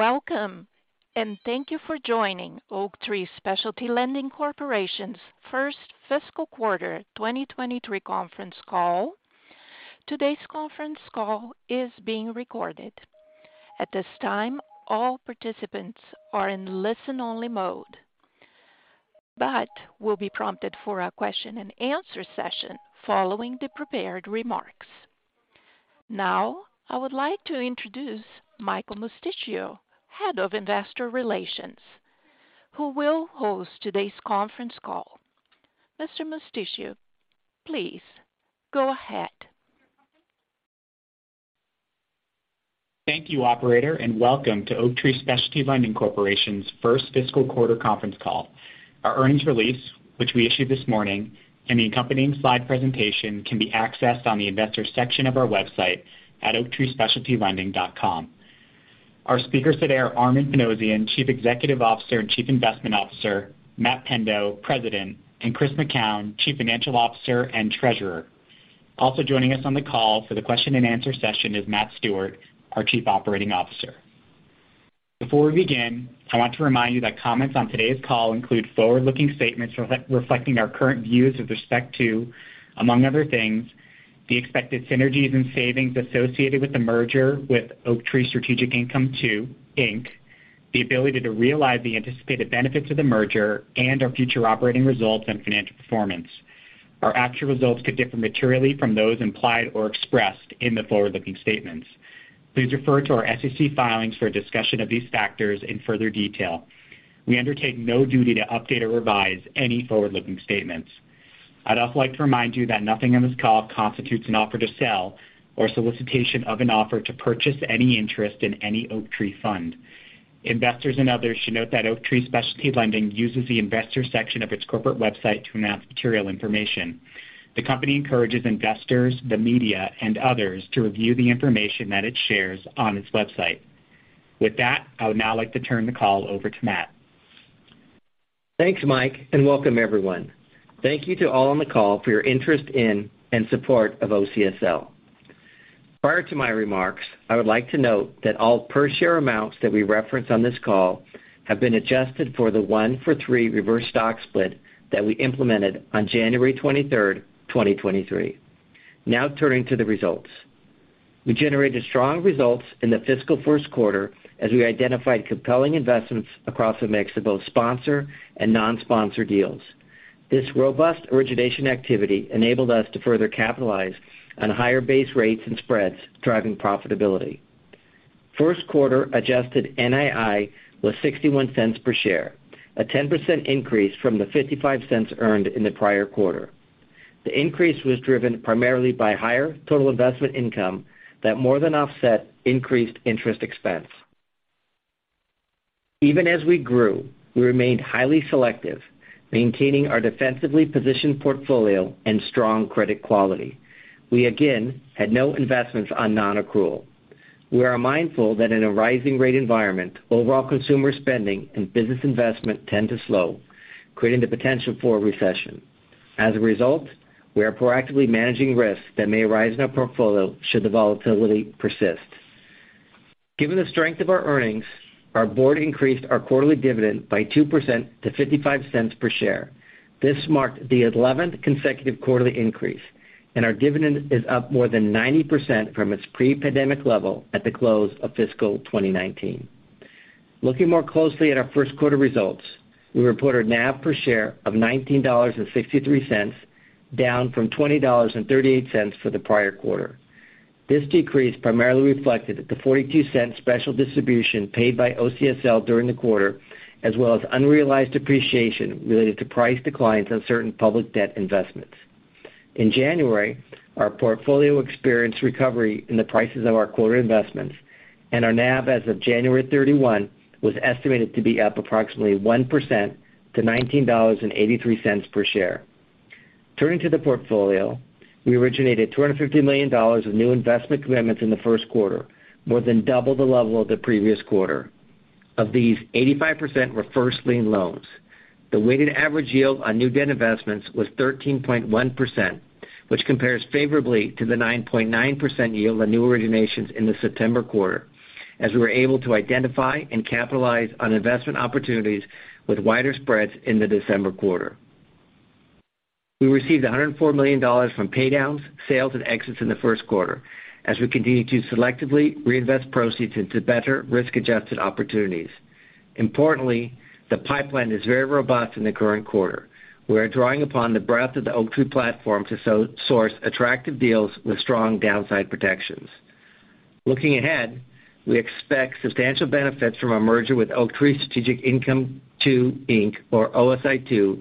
Welcome, thank you for joining Oaktree Specialty Lending Corporation’s first fiscal quarter 2023 conference call. Today’s call is being recorded. All participants are in listen-only mode and will be prompted for a Q&A session following the prepared remarks. I would now like to introduce Michael Mosticchio, Head of Investor Relations, who will host today’s conference call. Mr. Mosticchio, please go ahead. Thank you, operator, and welcome to Oaktree Specialty Lending Corporation’s first fiscal quarter conference call. Our earnings release, issued this morning, and the accompanying slide presentation can be accessed on the Investors section of our website at oaktreespecialtylending.com. Our speakers today are Armen Panossian, Chief Executive Officer and Chief Investment Officer; Mathew Pendo, President; and Christopher McKown, Chief Financial Officer and Treasurer. Also joining us for the Q&A session is Matthew Stewart, our Chief Operating Officer. Before we begin, I want to remind you that comments on today’s call include forward-looking statements reflecting our current views regarding, among other things, expected synergies and savings from the merger with Oaktree Strategic Income II, Inc., the ability to realize anticipated benefits, and our future operating results and financial performance. Our actual results could differ materially from those implied or expressed in forward-looking statements. Please refer to our SEC filings for a discussion of these factors in further detail. We undertake no duty to update or revise any forward-looking statements. I’d also like to remind you that nothing on this call constitutes an offer to sell or solicitation to purchase any interest in any Oaktree fund. Investors and others should note that Oaktree Specialty Lending uses the Investors section of its website to announce material information. We encourage investors, the media, and others to review this information. With that, I’ll turn the call over to Matt. Thanks, Mike. Welcome, everyone, and thank you for your interest in and support of OCSL. Before my remarks, I’d like to note that all per-share amounts referenced on this call have been adjusted for the one-for-three reverse stock split implemented on January 23, 2023. Turning to results, we generated strong outcomes in the fiscal first quarter, identifying compelling investments across both sponsor and non-sponsor deals. Robust origination activity allowed us to capitalize on higher base rates and spreads, driving profitability. First-quarter adjusted NII was $0.61 per share, a 10% increase from $0.55 in the prior quarter. The increase was driven primarily by higher total investment income that more than offset increased interest expense. Even as we grew, we remained highly selective, maintaining a defensively positioned portfolio with strong credit quality. We had no investments on non-accrual. We are mindful that rising rates can slow overall consumer spending and business investment, creating potential recessionary risks. We are proactively managing risks that may arise should volatility persist. Given our earnings strength, the board increased our quarterly dividend by 2% to $0.55 per share, marking the 11th consecutive quarterly increase and more than 90% growth from the pre-pandemic level at fiscal 2019 close. Looking at first-quarter results, we reported NAV per share of $19.63, down from $20.38 in the prior quarter. This decrease primarily reflected the $0.42 special distribution paid during the quarter and unrealized appreciation related to price declines on certain public debt investments. In January, our portfolio saw price recoveries, and NAV as of January 31 was estimated at $19.83 per share, up approximately 1%. Turning to portfolio activity, we originated $250 million of new investment commitments, more than double the prior quarter. Of these, 85% were first-lien loans. The weighted average yield on new debt investments was 13.1%, favorably compared to 9.9% in the September quarter, as we capitalized on wider spreads in December. We received $104 million from paydowns, sales, and exits, selectively reinvesting into better risk-adjusted opportunities. Our pipeline remains robust. We draw on the breadth of the Oaktree platform to source attractive deals with strong downside protections. Looking ahead, we expect substantial benefits from our merger with Oaktree Strategic Income II, Inc. (OSI II),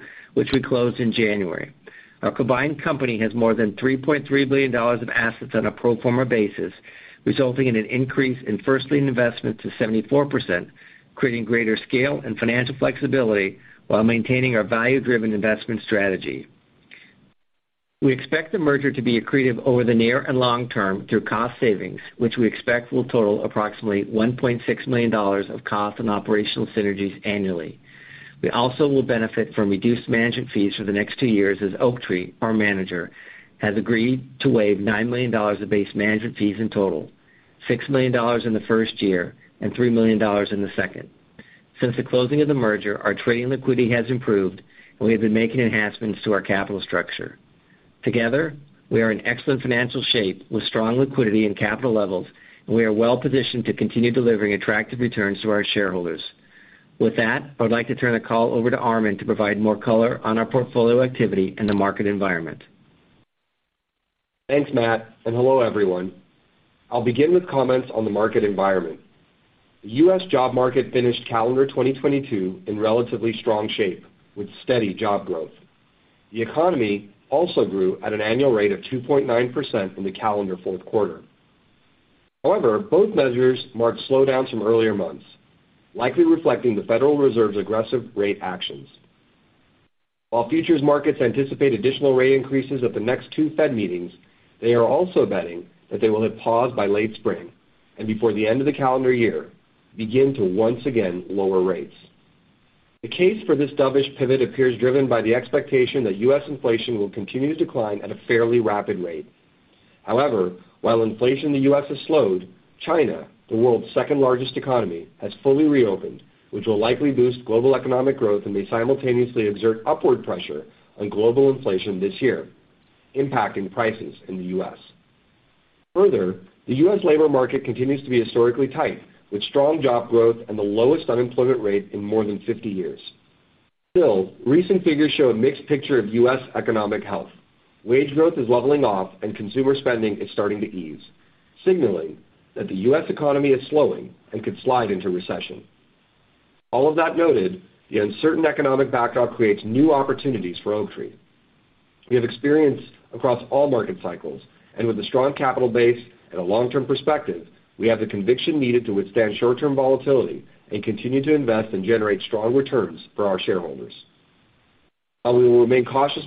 closed in January. Our combined company has more than $3.3 billion in assets on a pro forma basis, increasing first-lien investment to 74%, providing scale and financial flexibility while maintaining our value-driven investment strategy. We expect the merger to be accretive near- and long-term through cost savings, estimated at $1.6 million annually. Reduced management fees will total $9 million over two years—$6 million in the first year and $3 million in the second. Since closing, our trading liquidity has improved, and we have enhanced our capital structure. We are in excellent financial shape with strong liquidity and capital levels, well-positioned to continue delivering attractive returns to shareholders. I’ll now turn the call over to Armen to provide more color on portfolio activity and the market environment. Thanks, Matt. Hello, everyone. I’ll start with the market environment. The U.S. job market ended calendar 2022 in relatively strong shape with steady job growth. The economy grew at an annual rate of 2.9% in Q4, marking a slowdown likely due to the Federal Reserve’s aggressive rate actions. Futures markets anticipate additional rate increases in the next two Fed meetings but expect a pause by late spring, with rate cuts before year-end. This dovish pivot is driven by expectations that U.S. inflation will continue to decline at a fairly rapid pace. While U.S. inflation has slowed, China has fully reopened, likely boosting global growth and potentially exerting upward pressure on U.S. prices. The U.S. labor market remains historically tight, with strong job growth and the lowest unemployment in over 50 years. Recent figures show a mixed economic picture: wage growth is leveling, and consumer spending is easing, signaling potential slowing and recession risks. Despite this, the uncertain backdrop creates opportunities for Oaktree. Our experience across cycles, strong capital base, and long-term perspective position us to withstand short-term volatility and continue generating strong returns. While we remain cautious,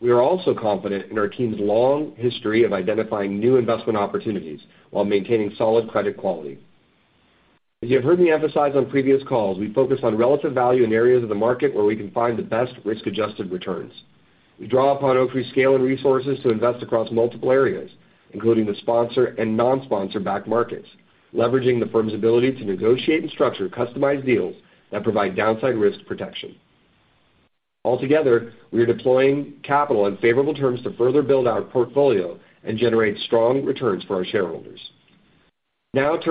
we are confident in our team’s ability to identify new investment opportunities while maintaining solid credit quality. We focus on relative value in areas of the market with the best risk-adjusted returns. Leveraging Oaktree’s scale and resources, we invest across sponsor and non-sponsor markets, structuring customized deals with downside protection. We are deploying capital on favorable terms to build our portfolio and deliver strong shareholder returns. At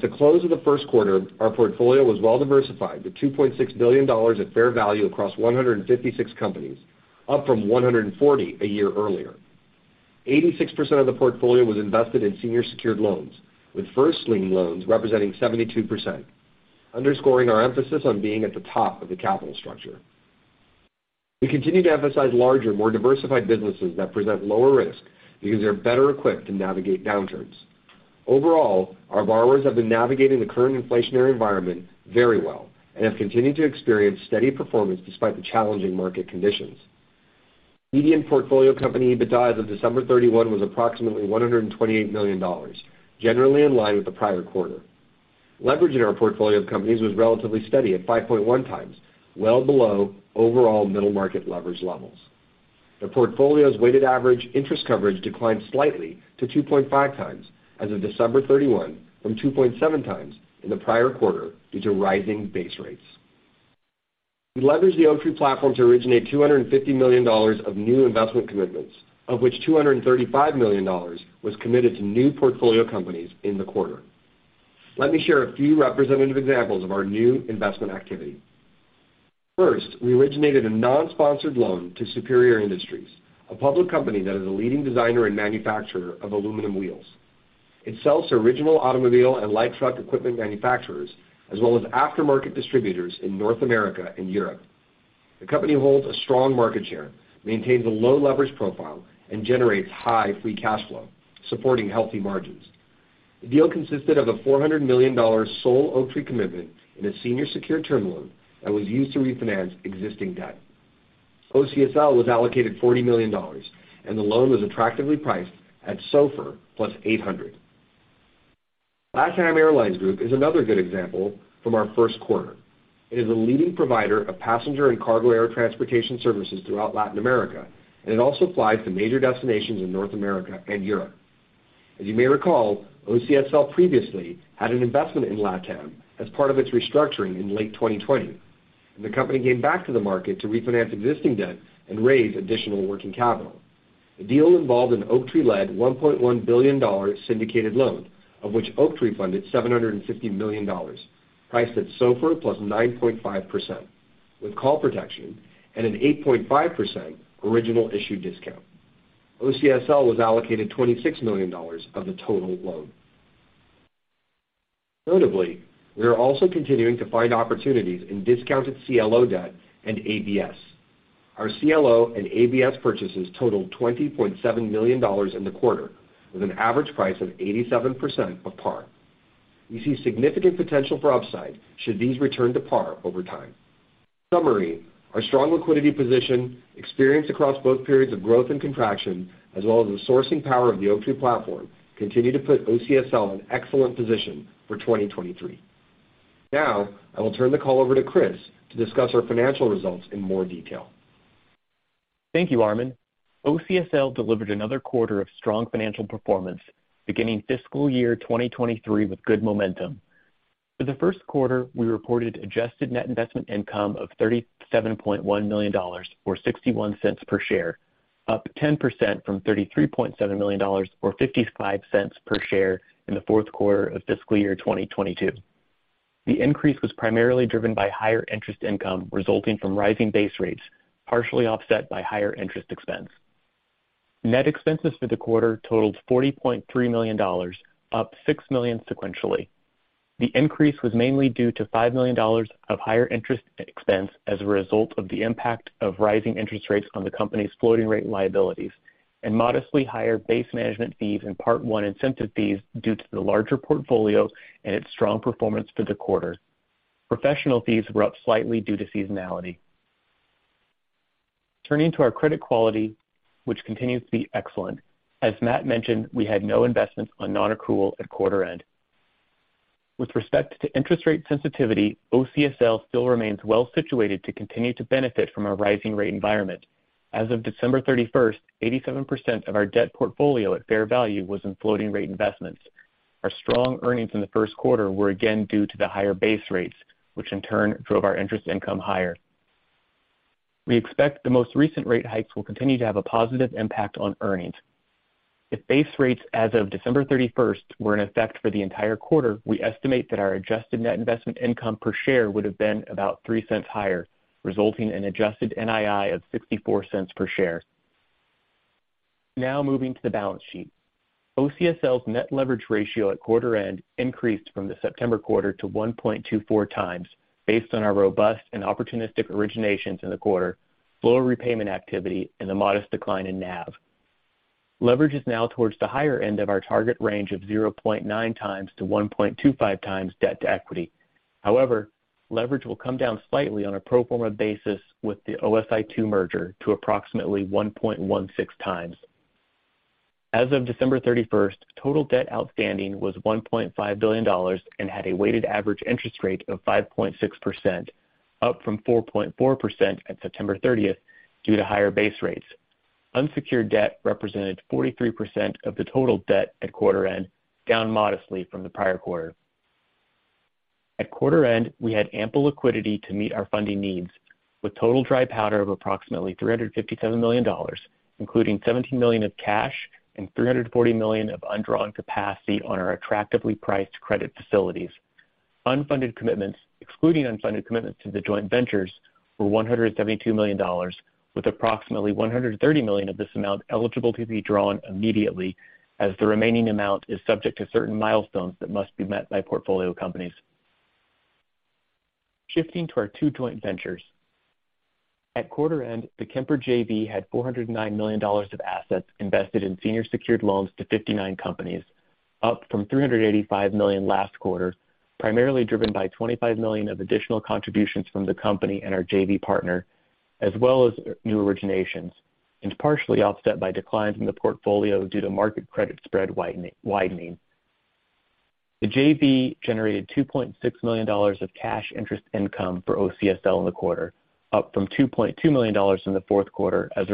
the close of Q1, our portfolio was well-diversified, with $2.6 billion at fair value across 156 companies, up from 140 a year earlier. Eighty-six percent of the portfolio was in senior secured loans, with 72% as first-lien, emphasizing top-of-capital-structure positioning. We continue to emphasize larger, diversified businesses with lower risk and better downturn navigation. Overall, borrowers navigated inflationary pressures well, maintaining steady performance. Median portfolio company EBITDA was ~$128 million, generally in line with the prior quarter. Leverage remained steady at 5.1x, below middle-market levels. Weighted average interest coverage declined slightly to 2.5x from 2.7x due to rising base rates. We leveraged the Oaktree platform to originate $250 million in new commitments, with $235 million for new portfolio companies. Examples include a non-sponsored loan to Superior Industries, a public designer and manufacturer of aluminum wheels for auto and light truck OEMs and aftermarket distributors in North America and Europe. The company holds strong market share, low leverage, and high free cash flow. The deal was a $400 million sole Oaktree commitment in a senior secured term loan used to refinance existing debt. OCSL was allocated $40 million. Another example is LATAM Airlines Group, a leading passenger and cargo provider across Latin America and major North American and European destinations. OCSL previously invested during LATAM’s 2020 restructuring. This deal involved a $1.1 billion Oaktree-led syndicated loan, with Oaktree funding $750 million, priced at SOFR plus 9.5%, with call protection and an 8.5% original issue discount. OCSL was allocated $26 million. OCSL was allocated $40 million. Another example is LATAM Airlines Group, a leading passenger and cargo provider across Latin America and major North American and European destinations. OCSL previously invested during LATAM’s 2020 restructuring. This deal involved a $1.1 billion Oaktree-led syndicated loan, with Oaktree funding $750 million, priced at SOFR plus 9.5%, with call protection and an 8.5% original issue discount. OCSL was allocated $26 million. Notably, we are continuing to find opportunities in discounted CLO debt and ABS. Our CLO and ABS purchases totaled $20.7 million in the quarter, with an average price of 87% of par. We see significant potential for upside should these return to par over time. In summary, our strong liquidity position, experience across both periods of growth and contraction, and the sourcing power of the Oaktree platform continue to put OCSL in an excellent position for 2023. I will now turn the call over to Chris to discuss our financial results in more detail. Thank you, Matt. OCSL delivered another quarter of strong financial performance, beginning fiscal year 2023 with good momentum. For the first quarter, we reported adjusted net investment income of $37.1 million, or $0.61 per share, up 10% from $33.7 million, or $0.55 per share, in the fourth quarter of fiscal year 2022. The increase was primarily driven by higher interest income from rising base rates, partially offset by higher interest expense. Net expenses for the quarter totaled $40.3 million, up $6 million sequentially, mainly due to $5 million of higher interest expense from the impact of rising rates on our floating rate liabilities and modestly higher management and Part One incentive fees due to a larger, strong-performing portfolio. Professional fees were slightly higher due to seasonality. Turning to credit quality, which remains excellent, as Matt mentioned, we had no investments on non-accrual at quarter-end. Regarding interest rate sensitivity, OCSL continues to benefit from a rising rate environment. As of December 31, 87% of our debt portfolio at fair value was floating rate. Strong earnings in the first quarter were driven by higher base rates, which increased our interest income. If base rates as of December 31 had been in effect for the entire quarter, adjusted net investment income per share would have been about $0.03 higher, resulting in adjusted NII of $0.64 per share. Now moving to the balance sheet. OCSL's net leverage ratio at quarter-end increased to 1.24 times due to robust originations, lower repayment activity, and a modest decline in NAV. This is toward the higher end of our target range of 0.9x to 1.25x debt to equity. On a pro forma basis with the OSI II merger, leverage would decrease slightly to approximately 1.16x. As of December 31, total debt outstanding was $1.5 billion, with a weighted average interest rate of 5.6%, up from 4.4% at September 30, due to higher base rates. Unsecured debt represented 43% of total debt, modestly down from the prior quarter. At quarter-end, we had ample liquidity to meet funding needs, with total dry powder of approximately $357 million, including $17 million in cash and $340 million of undrawn capacity on our attractively priced credit facilities. Excluding joint ventures, unfunded commitments were $172 million, with approximately $130 million eligible for immediate draw, while the remainder is subject to milestones by portfolio companies. We now shift to our two joint ventures. At quarter-end, the Kemper JV had $409 million of assets invested in senior secured loans to 59 companies, up from $385 million last quarter, driven by $25 million of additional contributions from the company and our JV partner, plus new originations, partially offset by declines from market credit spread widening. The JV generated $2.6 million of cash interest income for OCSL, up from $2.2 million in Q4, and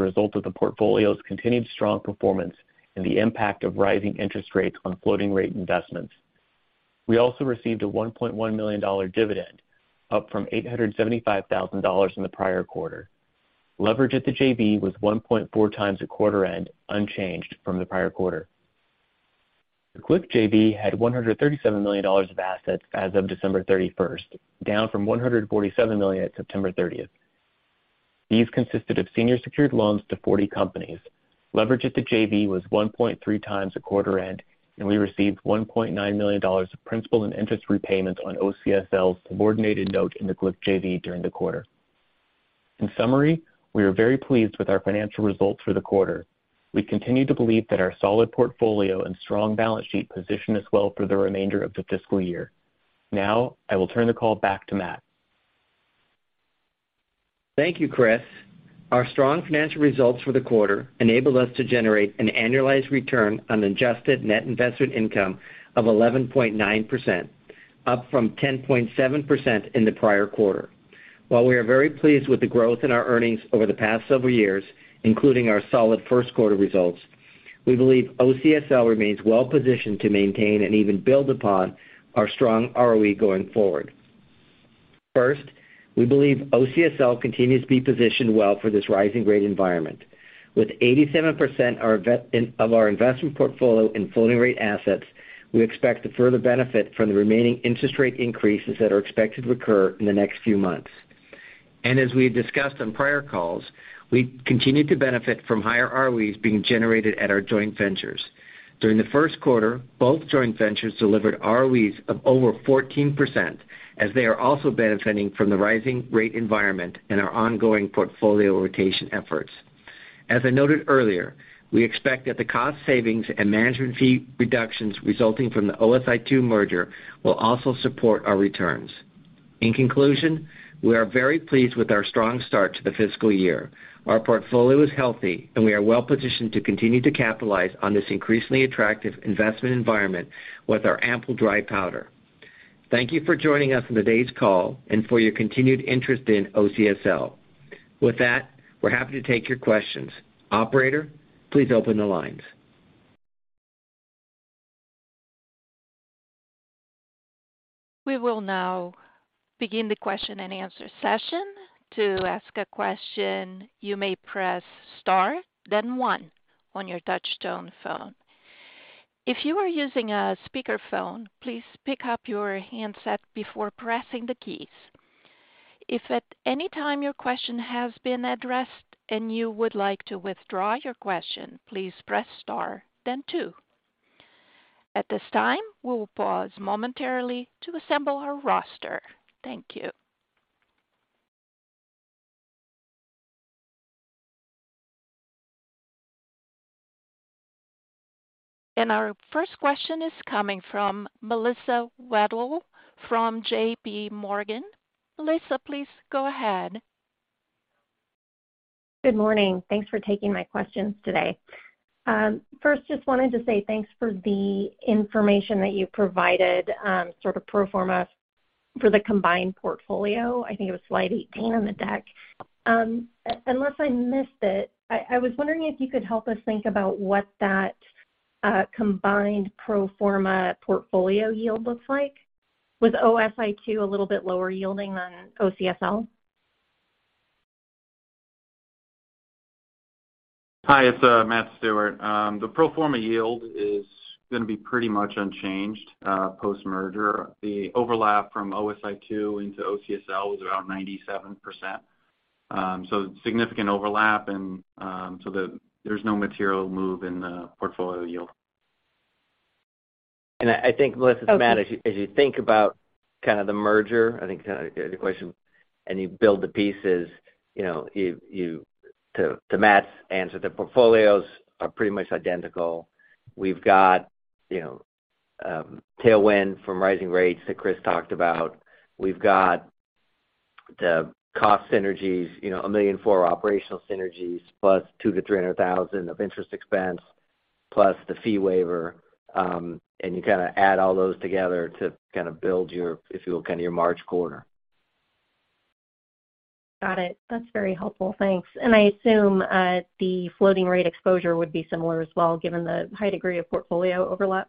we received a $1.1 million dividend, up from $875,000 last quarter. Leverage at the Kemper JV was 1.4x at quarter-end, unchanged from the prior quarter. The Glick JV had $137 million of assets as of December 31, down from $147 million at September 30, consisting of senior secured loans to 40 companies. Leverage at the Glick JV was 1.3x, and we received $1.9 million of principal and interest repayments on OCSL's subordinated note during the quarter. In summary, we are very pleased with our financial results and continue to believe our portfolio and balance sheet position us well for the remainder of the fiscal year. I will now turn the call back to Matt. Thank you, Chris. Our strong financial results for the quarter enabled an annualized return on adjusted net investment income of 11.9%, up from 10.7% last quarter. While pleased with our earnings growth over the years, including a strong Q1, OCSL remains well positioned to maintain and build upon our strong ROE. With 87% of the investment portfolio in floating rate assets, we expect to benefit further from expected interest rate increases in the coming months. As discussed on prior calls, higher ROEs are also being generated at our joint ventures. During the first quarter, both joint ventures delivered ROEs over 14%, benefiting from the rising rate environment and ongoing portfolio rotation efforts. Additionally, cost savings and management fee reductions from the OSI II merger will support returns. In conclusion, we are very pleased with our strong start to the fiscal year. Our portfolio is healthy, and we are well positioned to capitalize on this attractive investment environment with ample dry powder. Thank you for joining today's call. We are now happy to take your questions. Operator, please open the lines. We will now begin the question-and-answer session. To ask a question, press Star then One on your touchtone phone. If using a speakerphone, pick up your handset before pressing the keys. To withdraw a question at any time, press Star then Two. We will pause momentarily to assemble our roster. Our first question is from Melissa Wedel of J.P. Morgan. Melissa, please go ahead. Good morning. Thanks for taking my questions. First, thanks for the pro forma information for the combined portfolio on slide 18. Unless I missed it, could you help us understand what the combined pro forma portfolio yield looks like? Was OSI II lower yielding than OCSL? Hi, Melissa. The pro forma yield is essentially unchanged post-merger. The overlap from OSI II into OCSL was around 97%, so there is no material change in portfolio yield. I think, Melissa, building on Matt's answer, the portfolios are very similar. We have tailwinds from rising rates, cost synergies of about $1 million in operational savings plus $200,000–$300,000 in interest expense reductions, and the fee waiver. Adding these together supports our expected results for the March quarter. Got it. That's very helpful. Thanks. I assume the floating rate exposure would be similar as well, given the high degree of portfolio overlap?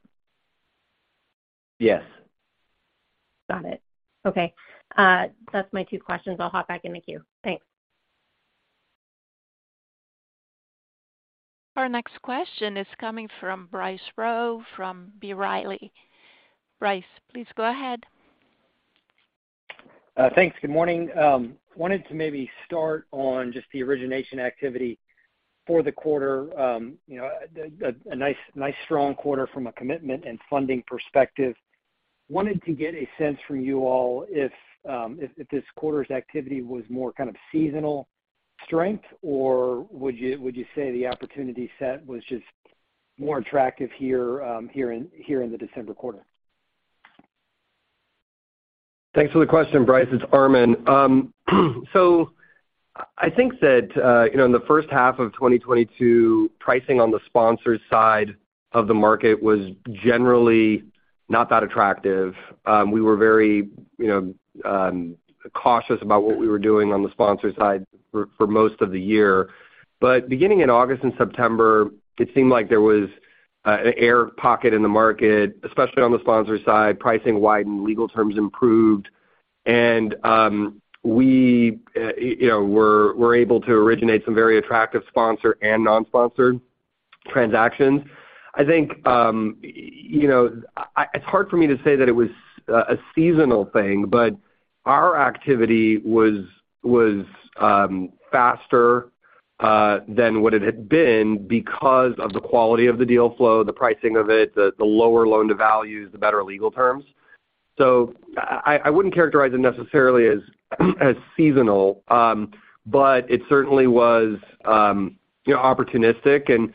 Yes. Got it. Okay. That's my two questions. I'll hop back in the queue. Thanks. Our next question is coming from Bryce Rowe from B. Riley. Bryce, please go ahead. Thanks. Good morning. Wanted to maybe start on just the origination activity for the quarter. You know, nice strong quarter from a commitment and funding perspective. Wanted to get a sense from you all if this quarter's activity was more kind of seasonal strength, or would you say the opportunity set was just more attractive here in the December quarter? Thanks for the question, Bryce. It's Armen. I think that, you know, in the first half of 2022, pricing on the sponsor side of the market was generally not that attractive. We were very cautious about what we were doing on the sponsor side for most of the year. Beginning in August and September, it seemed like there was an air pocket in the market, especially on the sponsor side. Pricing widened, legal terms improved, and we were able to originate some very attractive sponsor and non-sponsored transactions. It's hard for me to say that it was a seasonal thing, but our activity was faster than what it had been because of the quality of the deal flow, the pricing of it, the lower loan-to-values, and the better legal terms. I wouldn't characterize it necessarily as seasonal, but it certainly was opportunistic. In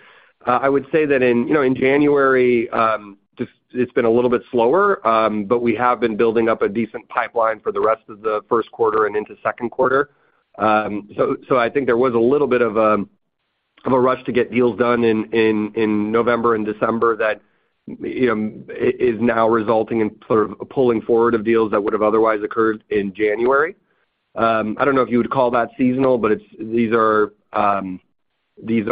January, it's been a little bit slower, but we have been building up a decent pipeline for the rest of the first quarter and into the second quarter. I think there was a little bit of a rush to get deals done in November and December that is now resulting in sort of a pulling forward of deals that would have otherwise occurred in January. I don't know if you would call that seasonal, but these are different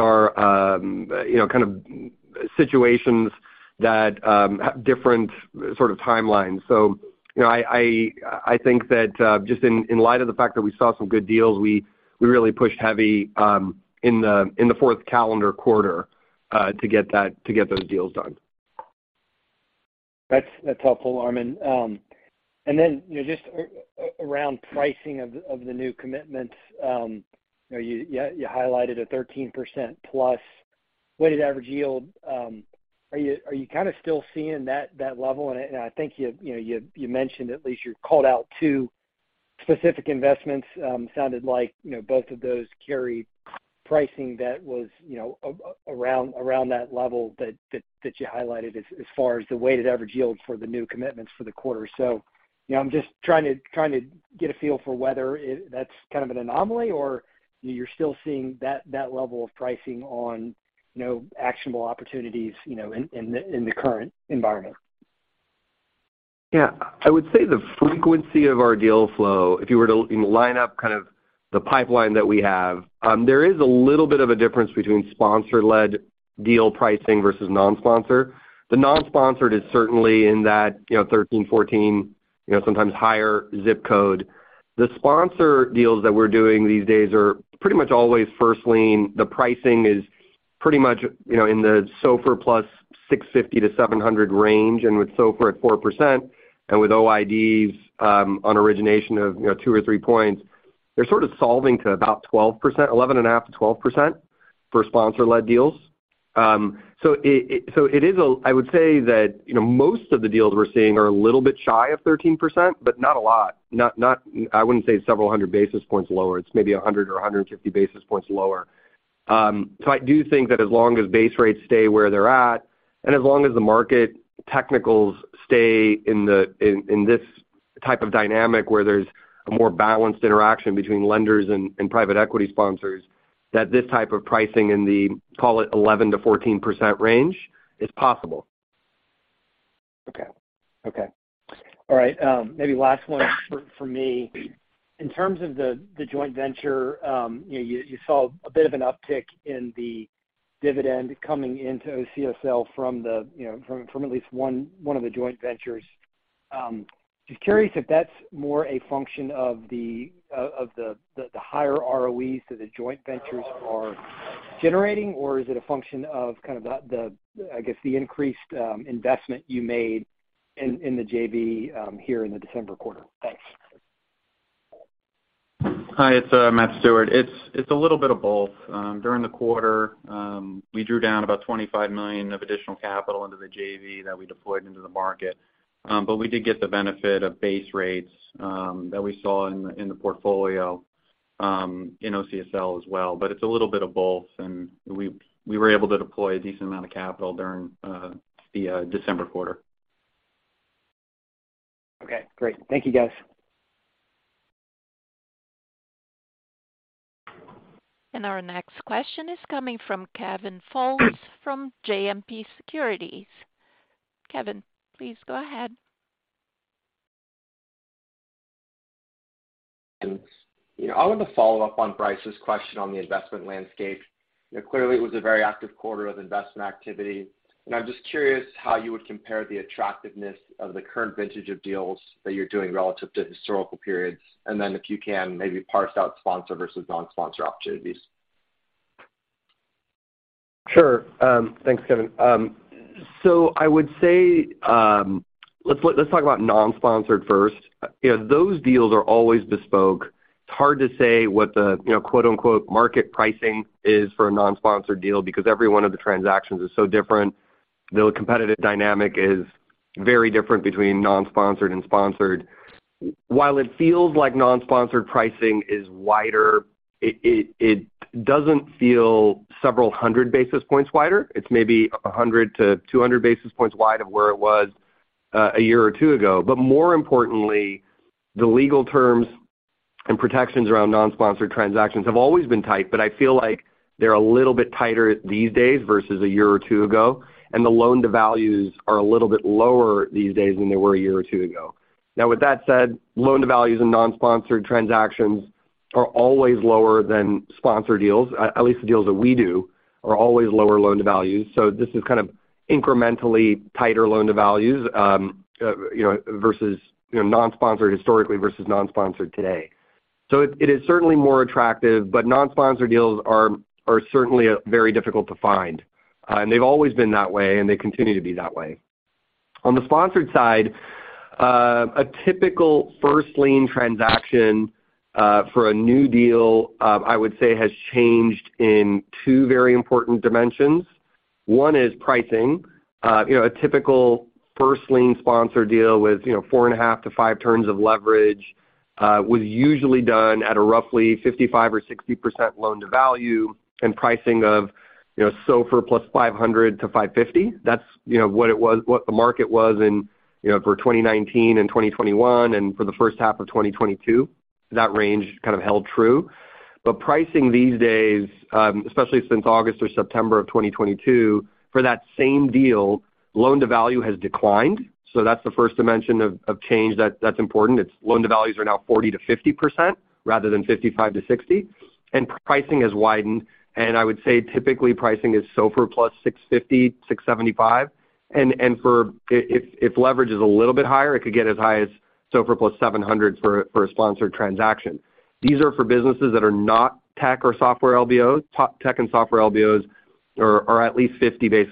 sort of timelines. Just in light of the fact that we saw some good deals, we really pushed heavily in the fourth calendar quarter to get those deals done. That's helpful, Armen. Then, just around pricing of the new commitments, you highlighted a 13% plus weighted average yield. Are you still seeing that level? You mentioned at least two specific investments; it sounded like both of those carry pricing around that level. I'm trying to get a feel for whether that's an anomaly or if you're still seeing that level of pricing on actionable opportunities in the current environment. Yeah. I would say the frequency of our deal flow, if you line up the pipeline that we have, there is a difference between sponsor-led deal pricing versus non-sponsor. The non-sponsored is certainly in that 13–14% range, sometimes higher. The sponsor deals we're doing these days are pretty much always first lien. The pricing is in the SOFR plus 650–700 range, and with SOFR at 4% and with OIDs of 2–3 points, they sort of solve to about 11.5–12% for sponsor-led deals. Most of the deals we're seeing are a little shy of 13%, but not a lot—not several hundred basis points lower, maybe 100–150 basis points lower. As long as base rates stay where they are, and market technicals remain balanced between lenders and private equity sponsors, this type of pricing in the 11–14% range is possible. Okay. Last one for me. In terms of the joint venture, you saw a bit of an uptick in the dividend coming into OCSL from at least one of the joint ventures. Is that more a function of the higher ROEs that the JVs are generating, or is it due to the increased investment you made in the JV in the December quarter? Hi, it's Matthew Stewart. It's a little bit of both. During the quarter, we drew down about $25 million of additional capital into the JV that we deployed into the market. We benefited from base rates in the portfolio at OCSL as well. It's a little bit of both, and we were able to deploy a decent amount of capital during the December quarter. Okay, great. Thank you, guys. Our next question is coming from Kevin Fultz from JMP Securities. Kevin, please go ahead. Thanks. I wanted to follow up on Bryce's question on the investment landscape. It was a very active quarter of investment activity. I'm curious how you would compare the attractiveness of the current vintage of deals relative to historical periods. If you can, parse out sponsor versus non-sponsor opportunities. Sure. Let's talk about non-sponsored first. Those deals are always bespoke. It's hard to say what "market pricing" is because every transaction is different. The competitive dynamic is very different between non-sponsored and sponsored. Non-sponsored pricing is maybe 100–200 basis points wider than a year or two ago. Legal terms and protections around non-sponsored transactions are tighter these days, and loan-to-values are a little lower than a year or two ago. Loan-to-values in non-sponsored transactions are always lower than sponsor deals. Incrementally tighter loan-to-values versus non-sponsored historically. Non-sponsored deals remain difficult to find. On the sponsored side, a typical first lien transaction for a new deal has changed in two key dimensions: pricing and loan-to-values. A typical first lien sponsor deal with 4.5–5 turns of leverage was usually done at roughly 55–60% loan-to-value and pricing of SOFR plus 500–550 in 2019–2021 and early 2022. Since August/September 2022, loan-to-values have declined to 40–50%, and pricing has widened to SOFR plus 650–675. If leverage is higher, pricing could reach SOFR plus 700 for a sponsored transaction. These are for businesses that are not tech or software LBOs. Tech/software LBOs are typically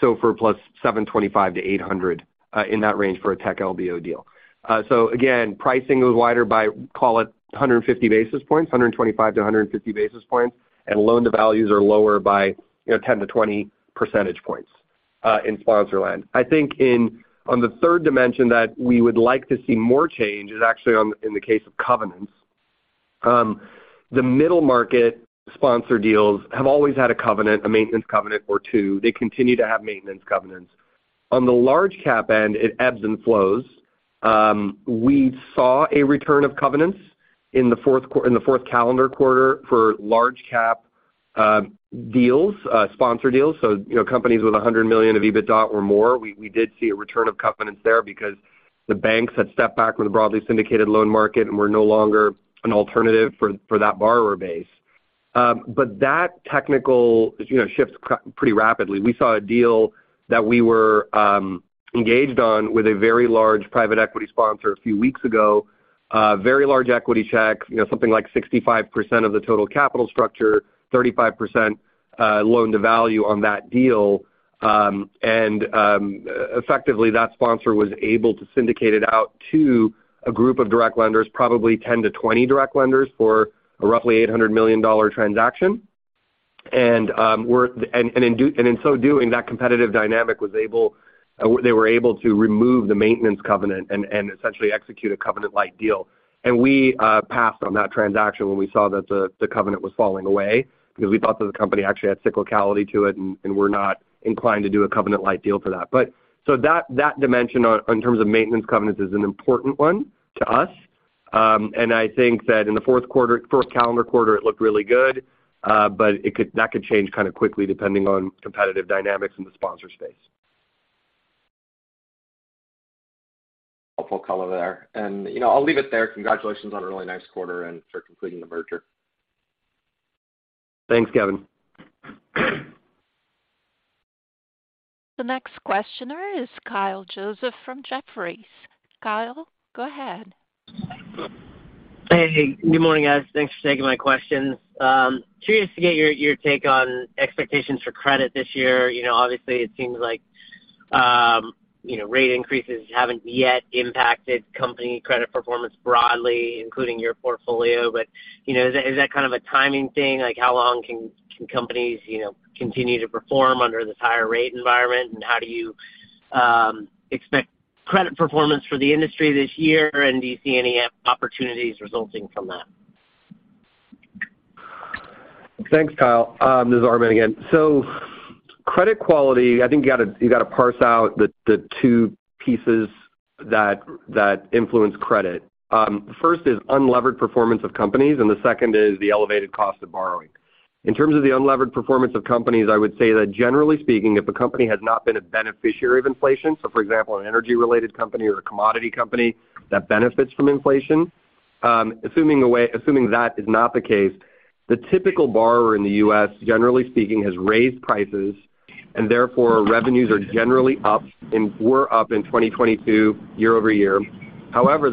SOFR plus 725–800. Pricing goes wider 125–150 basis points, and loan-to-values are 10–20 points lower. The third dimension is covenants. Middle market sponsor deals have maintenance covenants. Large-cap deals ebbed and flowed. In Q4, covenants returned for large-cap sponsor deals, especially for companies with $100M+ EBITDA, as banks had stepped back from broadly syndicated loans. Effectively, that sponsor was able to syndicate the deal to a group of direct lenders—probably 10 to 20 lenders—for a roughly $800 million transaction. In doing so, that competitive dynamic allowed them to remove the maintenance covenant and essentially execute a covenant-lite deal. We passed on that transaction once we saw the covenant falling away because we believed the company had cyclicality, and we were not inclined to do a covenant-lite deal for that type of business. That dimension—maintenance covenants—is very important to us. I think in the fourth quarter and into the first calendar quarter, the environment looked really good. That could change quickly depending on competitive dynamics in the sponsor space. Helpful color there. I'll leave it there. Congratulations on a really nice quarter and on completing the merger. Thanks, Kevin. The next question is from Kyle Joseph of Jefferies. Kyle, please go ahead. Good morning, guys. Thanks for taking my questions. I'm curious to get your take on expectations for credit this year. Obviously, rate increases haven't yet broadly impacted company credit performance, including within your portfolio. Is that just a timing issue? How long can companies continue to perform in this higher-rate environment? And how do you expect credit performance for the industry this year? Do you see any opportunities resulting from that? Thanks, Kyle. This is Armen again. Credit quality really has two components: the unlevered performance of companies and the elevated cost of borrowing. In terms of unlevered performance, if a company has not been a beneficiary of inflation—such as an energy or commodity company—most borrowers in the U.S. have generally raised prices, and revenues were up in 2022 year over year. However,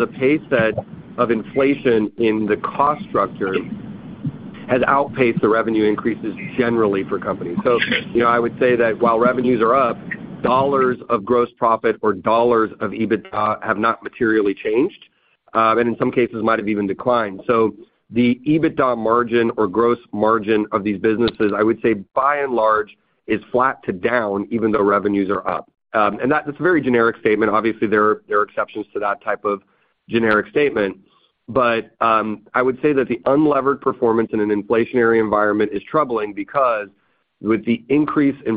inflation in the cost structure has generally outpaced those revenue increases. While revenues are up, gross profit dollars or EBITDA dollars have not materially changed, and in some cases may have declined. EBITDA margins or gross margins for many businesses are flat to down even though revenues are higher. That’s a general observation, and there are obviously exceptions. The unlevered performance in an inflationary environment is somewhat concerning because we may be approaching the point where price increases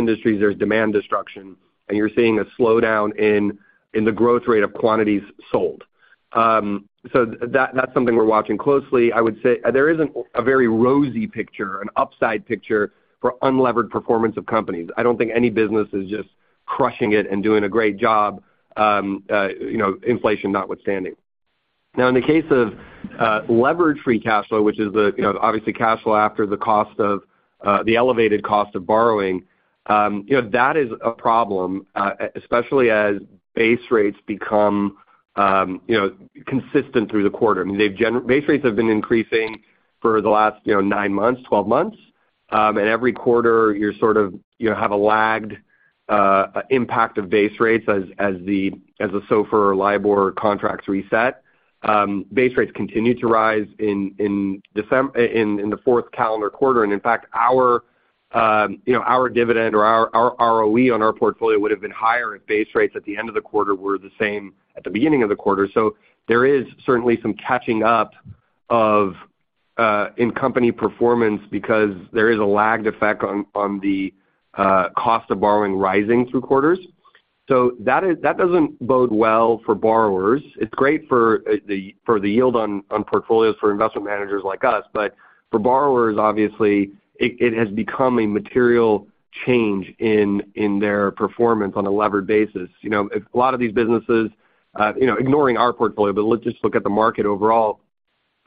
begin to create demand destruction in certain industries, slowing growth in volumes sold. I wouldn’t describe the outlook for unlevered company performance as particularly strong. Few businesses are truly thriving despite inflation. When you look at levered free cash flow—cash flow after the higher borrowing costs—that becomes more challenging as base rates remain elevated throughout the quarter. Base rates have been rising for the last nine to twelve months, and there is a lagged effect as SOFR or LIBOR contracts reset. Our portfolio yield would have been higher if base rates at the end of the quarter had been the same as at the beginning of the quarter. There is still some catch-up happening in company performance because the cost of borrowing rises with a lag across quarters. That’s positive for portfolio yields for managers like us, but for borrowers it represents a meaningful change in levered performance. For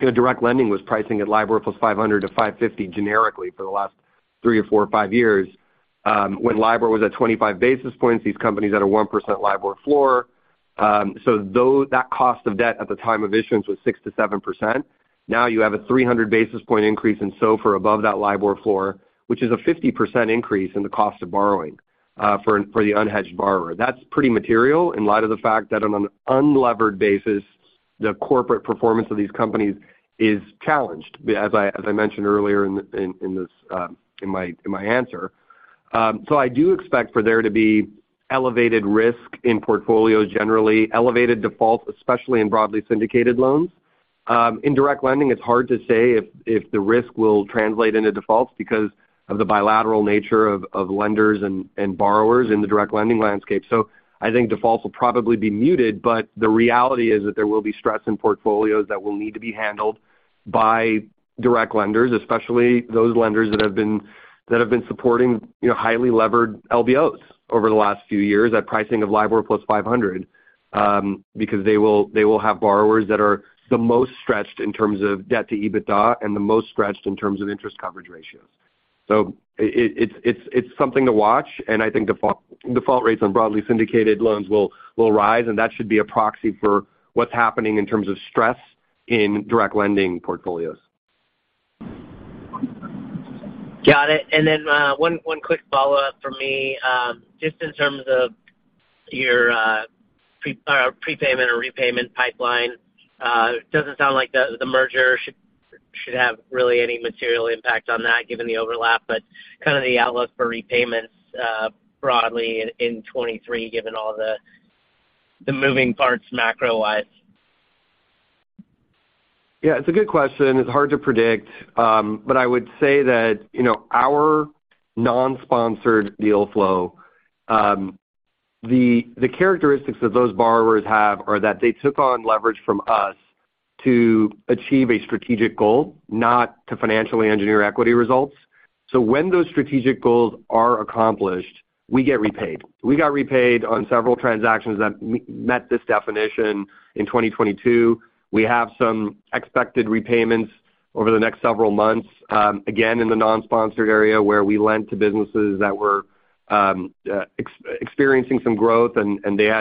example, direct lending was generally priced at LIBOR plus 500–550 for the past three to five years. With LIBOR around 25 basis points and a 1% floor, the cost of debt at issuance was about 6–7%. Now SOFR is roughly 300 basis points above that floor, which represents about a 50% increase in borrowing costs for unhedged borrowers. That’s significant, particularly when underlying corporate performance is already under pressure. I expect elevated risk across portfolios in general and higher default rates, particularly in broadly syndicated loans. In direct lending, it’s harder to say whether that risk will translate into defaults because lenders and borrowers work more directly together. Defaults may remain muted, but there will likely be stress in portfolios that lenders will need to manage—especially those that financed highly leveraged LBOs at LIBOR plus 500 in recent years. Got it. One quick follow-up. Regarding your repayment or prepayment pipeline—given the overlap from the merger, it sounds like that shouldn’t materially affect things. But how are you thinking about repayments more broadly in 2023 considering the macro environment? That’s a good question. It’s hard to predict. Our non-sponsored borrowers typically take on leverage to achieve strategic goals rather than to financially engineer equity returns. When those strategic goals are achieved, we tend to get repaid. We saw several repayments in 2022 under that framework, and we expect some additional repayments over the next several months in that segment. The cost of debt in non-sponsored lending is generally higher than in sponsored lending. As a result, once those companies achieve their objectives, our financing can look expensive, which leads them to refinance or repay us. We expect that to happen in some cases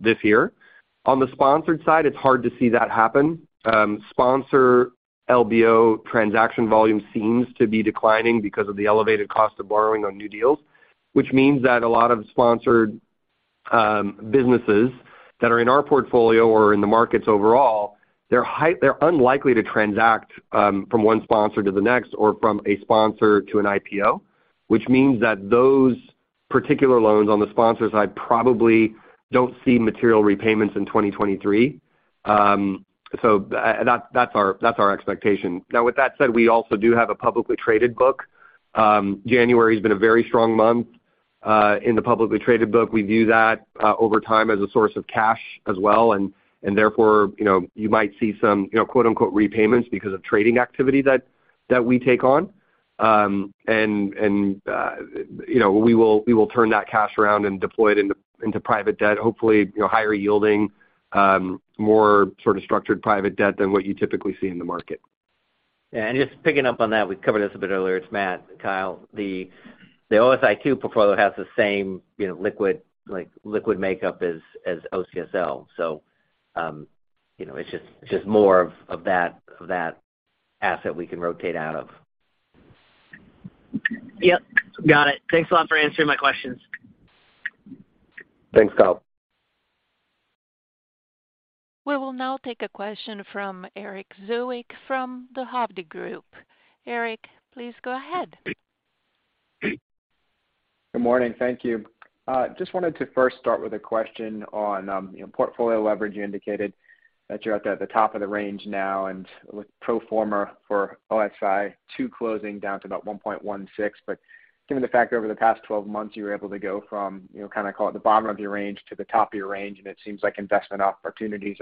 this year. On the sponsored side, however, it’s harder to see much repayment activity. LBO transaction volume is declining due to higher borrowing costs, which means fewer exits or sponsor-to-sponsor transactions. That’s our expectation. With that said, we also have a publicly traded portion of the portfolio. January was very strong there, and over time that could be a source of liquidity as well. You may see some repayments driven by trading activity, with the proceeds redeployed into higher-yielding structured private debt. Just picking up on that—this is Ryan Lynch. The OSI II portfolio has a similar liquid asset composition as OCSL. So it essentially adds more assets that we can rotate out of over time. Yep. Got it. Thanks a lot for answering my questions. Thanks, Kyle. We will now take a question from Erik Zwick of The Hovde Group. Erik, please go ahead. Good morning. Thank you. I wanted to start with a question on portfolio leverage. You indicated you're currently at the top of your target range, and pro forma for the OSI II closing you’ll move down to about 1.16x. Given that over the past 12 months you moved from the bottom of the range to the top, and investment opportunities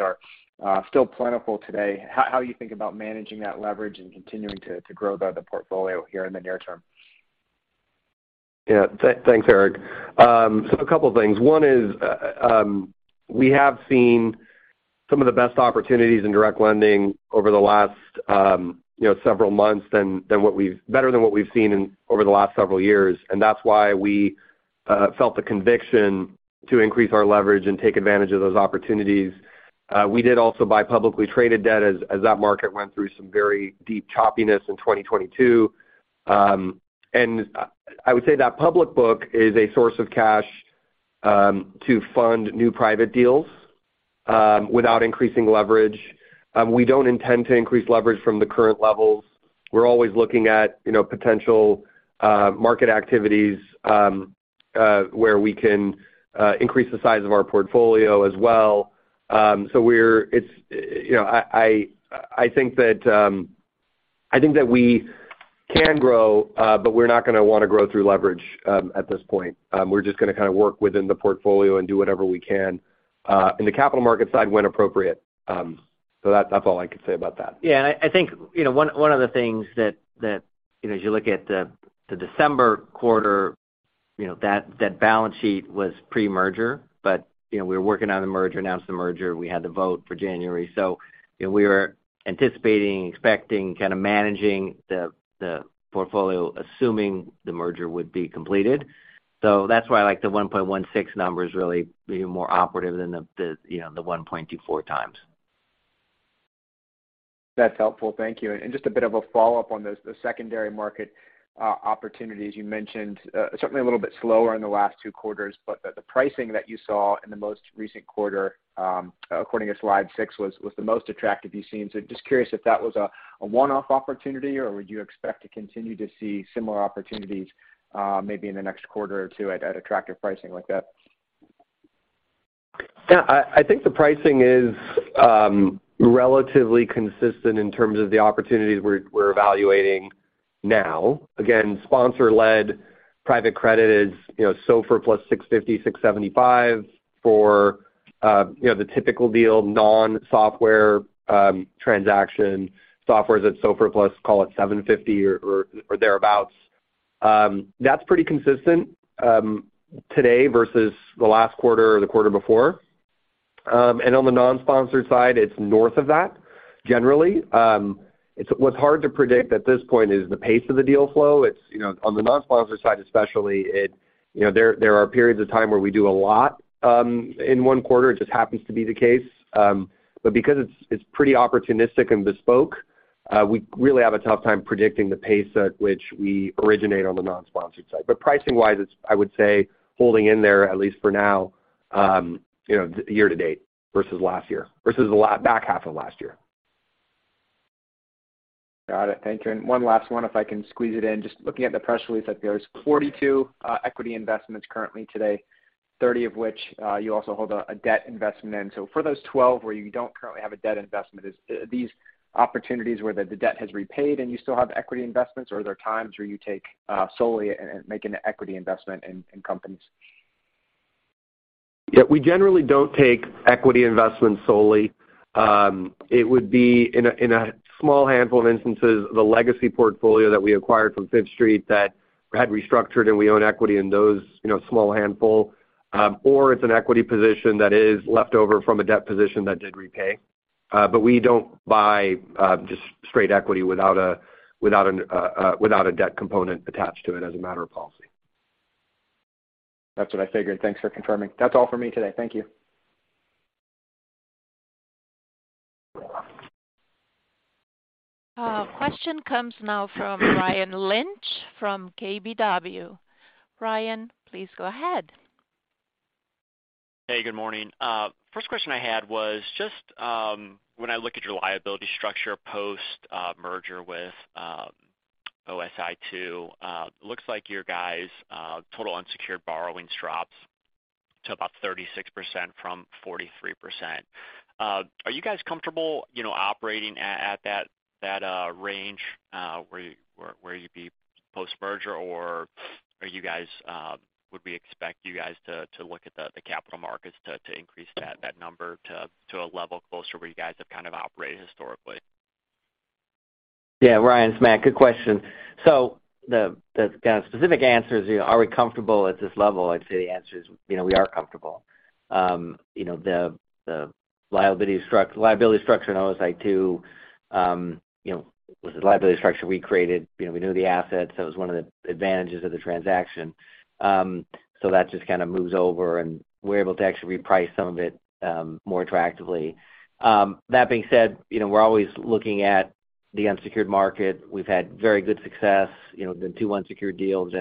still appear plentiful, how are you thinking about managing leverage while continuing to grow the portfolio in the near term? Yeah, thanks, Eric. A couple of things. One is that we have seen some of the best opportunities in direct lending over the last several months, better than what we've seen over the last several years. That's why we felt the conviction to increase our leverage and take advantage of those opportunities. We also bought publicly traded debt when that market went through significant volatility in 2022. I would say that the public book is a source of cash to fund new private deals without increasing leverage. We don't intend to increase leverage from current levels. We're always looking at potential market opportunities where we can increase the size of our portfolio as well. I think we can grow, but we don't want to grow through leverage at this point. We're going to work within the portfolio and take advantage of capital markets opportunities when appropriate. That's all I can say about that. Yeah. One of the things to consider as you look at the December quarter is that the balance sheet was pre-merger. However, we were already working on the merger and had announced it, with the vote scheduled for January. We were anticipating the merger would be completed, so we were managing the portfolio with that assumption in mind. That's why I view the 1.16 number as being more representative than the 1.24 That's helpful. Thank you. Just a follow-up on the secondary market opportunities you mentioned. Activity has certainly been a little slower in the last two quarters, but according to slide six, the pricing you saw in the most recent quarter was the most attractive you've seen. I'm curious whether that was a one-off opportunity or if you expect to continue seeing similar opportunities over the next quarter or two at those attractive pricing levels. I think the pricing is relatively consistent in terms of the opportunities we're evaluating now. Sponsor-led private credit is around SOFR plus 650 to 675 for a typical non-software transaction. Software deals are around SOFR plus 750 or so. That's pretty consistent with what we saw last quarter and the quarter before. On the non-sponsored side, pricing is generally higher than that. What's harder to predict at this point is the pace of deal flow. On the non-sponsor side especially, there are periods where we do a lot in one quarter, and that just happens from time to time. Because it's opportunistic and bespoke, it's difficult for us to predict the pace at which we originate deals on the non-sponsored side. Pricing-wise, I would say it's holding steady year-to-date compared with last year and the back half of last year. Got it. Thank you. One last question, if I can squeeze it in. Looking at the press release, there are 42 equity investments currently, 30 of which also include a debt investment. For the 12 where you don't currently hold debt, are these situations where the debt has been repaid and you still retain the equity investment, or are there times when you make a purely equity investment in companies? We generally don't make equity-only investments. In a small handful of cases, the legacy portfolio we acquired from Fifth Street had restructured positions where we ended up owning equity. Alternatively, it could be an equity position that remained after a debt investment was repaid. But as a matter of policy, we don't buy straight equity without a debt component attached to it. That's what I figured. Thanks for confirming. That's all for me today. Thank you. Our next question comes from Ryan Lynch from KBW. Ryan, please go ahead. Good morning. My first question is about your liability structure post-merger with OSI II. It looks like your total unsecured borrowings decline to about 36% from 43%. Are you comfortable operating at that level post-merger, or should we expect you to access the capital markets to bring that number closer to where you've historically operated? Ryan, it's Matt. Good question. Are we comfortable at this level? The answer is yes, we are comfortable. The liability structure in OSI II was something we created, and we knew the assets well. That was one of the advantages of the transaction. It simply carries over, and we're able to reprice some of it more attractively. That said, we're always looking at the unsecured market. We've had good success with our previous unsecured deals.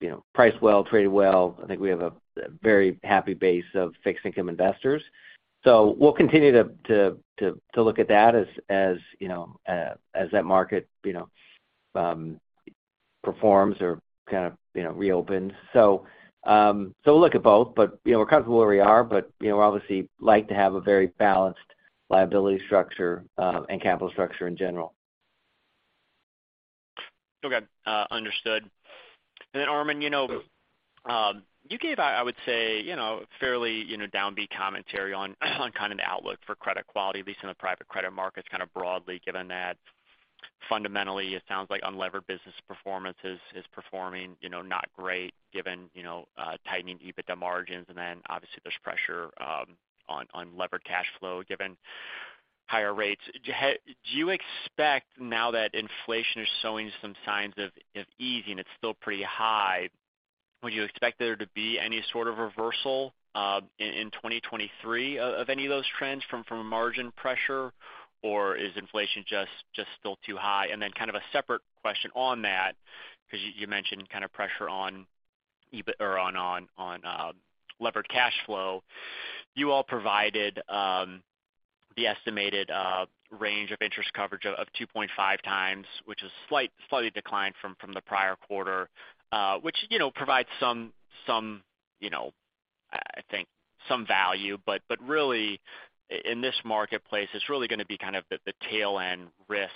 They were priced well and have traded well, and we have a strong base of fixed-income investors. We'll continue to look at that market as it performs or reopens. For now, though, we're comfortable with where we are. We obviously like to maintain a very balanced liability structure and capital structure overall. Okay, understood. Armen, you gave fairly downbeat commentary on the outlook for credit quality, at least in the private credit markets broadly. Fundamentally, it sounds like unlevered business performance is not great given tightening EBITDA margins, and there's obviously pressure on levered cash flow given higher rates. If inflation continues to show signs of easing, though it's still pretty high, would you expect any sort of reversal in 2023 in terms of margin pressure, or is inflation still too high? Then a separate question on that. You mentioned pressure on EBIT or levered cash flow. You provided an estimated range of interest coverage of 2.5 times, which declined slightly from the prior quarter. In this marketplace, the real risk is the tail end risk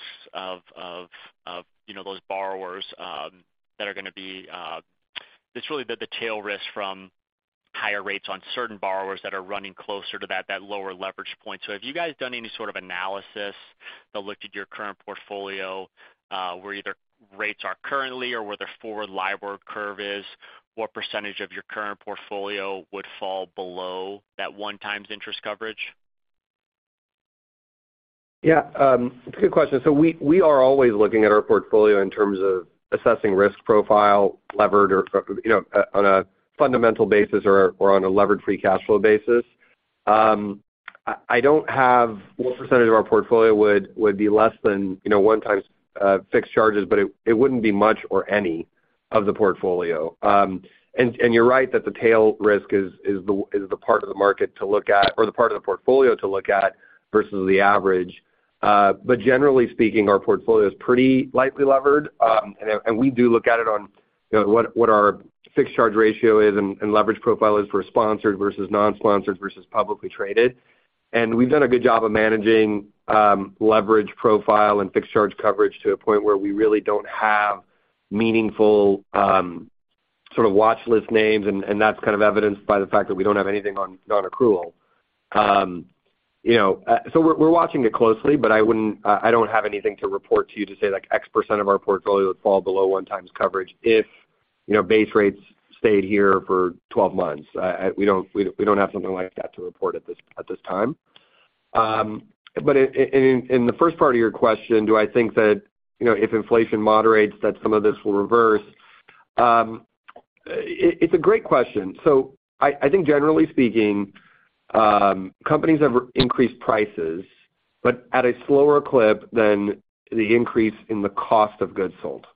from borrowers that are running closer to that lower leverage point given higher rates. Have you done any analysis looking at your current portfolio based on where rates are today or where the forward LIBOR curve is? What percentage of your current portfolio would fall below that 1x interest coverage? Good question. We are always looking at our portfolio in terms of assessing the risk profile, either on a fundamental basis or on a levered free cash flow basis. I don't have the percentage of our portfolio that would be less than 1 times fixed charges, but it wouldn't be much, if any, of the portfolio. You're right that tail risk is the part of the market, or the portfolio, to focus on rather than the average. Generally speaking, our portfolio is pretty lightly levered. We do look at the fixed charge ratio and leverage profile across sponsored, non-sponsored, and publicly traded investments. We've done a good job managing the leverage profile and fixed charge coverage to a point where we don't really have meaningful watchlist names, which is evidenced by the fact that we don't have anything on non-accrual. We're watching things closely, but I don't have anything to report that would say a specific percentage of our portfolio would fall below 1 times coverage if base rates stayed here for 12 months. We don't have that analysis to report at this time. In the first part of your question, whether inflation moderates and some of this reverses, that's a great question. Generally speaking, companies have increased prices, but at a slower rate than the increase in the cost of goods sold.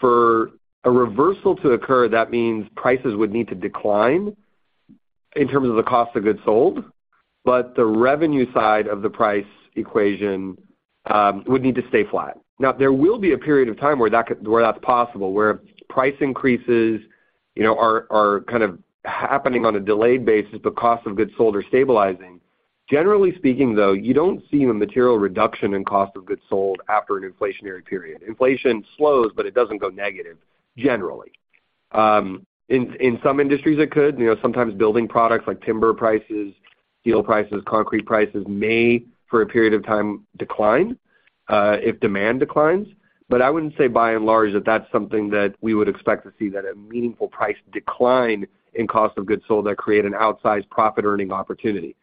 For a reversal to occur, prices on the cost side would need to decline while the revenue side remains flat. There may be a period where that is possible, where price increases happen on a delayed basis while cost of goods sold stabilizes. However, generally speaking, you don't see a material reduction in cost of goods sold after an inflationary period. Inflation slows, but it typically doesn't go negative. In some industries it could. Sometimes building product inputs such as timber, steel, or concrete prices may decline for a period if demand declines. But broadly speaking, we wouldn't expect a meaningful decline in cost of goods sold that would create an outsized profit opportunity.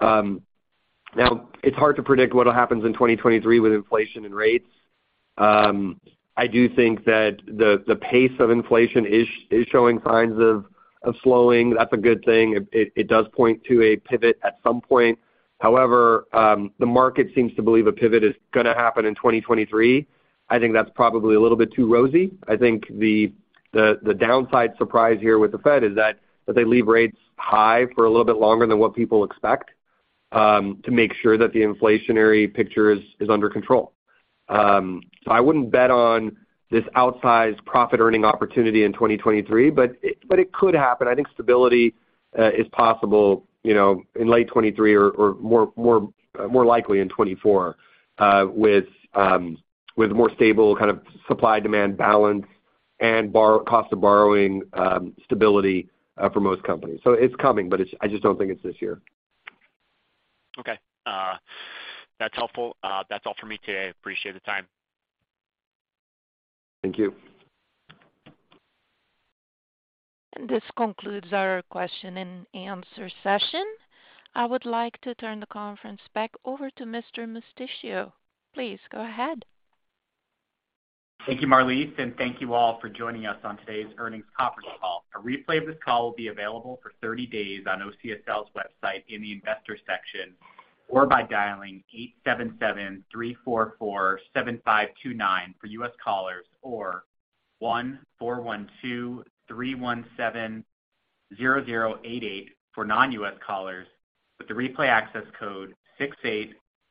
It's hard to predict what will happen in 2023 with inflation and rates. I do think the pace of inflation is showing signs of slowing, which is a good thing and may point to a pivot at some point. However, the market seems to believe that pivot will happen in 2023, and I think that's probably a little too rosy. I think the downside surprise with the Fed is that they may leave rates higher for longer than people expect to ensure the inflation picture is under control. I wouldn't bet on an outsized profit opportunity in 2023, though it could happen. Stability is possible in late 2023 or more likely in 2024, with a more balanced supply-demand environment and more stable borrowing costs for most companies. It's coming, but I don't think it's this year. Okay. That's helpful. That's all for me today. Appreciate the time. Thank you. This concludes our Q&A session. I would like to turn the conference back over to Mr. Musticchio. Please go ahead. Thank you, Marlise, and thank you all for joining us on today's earnings conference call. A replay of this call will be available for 30 days on OCSL's website in the Investors section, or by dialing 877-344-7529 for U.S. callers or 1-412-317-0088 for non-U.S. callers, with replay access code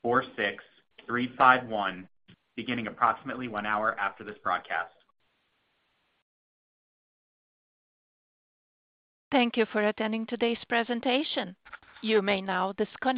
6846351, beginning approximately one hour after this broadcast. Thank you for attending today's presentation. You may now disconnect.